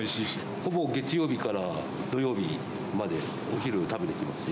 ほぼ月曜日から土曜日までお昼食べに来ますね。